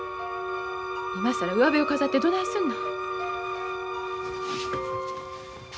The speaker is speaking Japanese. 今更うわべを飾ってどないすんの。